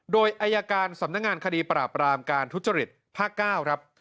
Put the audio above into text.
โดยอายการสำนักงานคดีปราบรามการทุจริตภาค๙ครับ